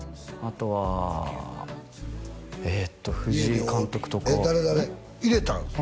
あとはえっと藤井監督とかえっ誰誰入れたん？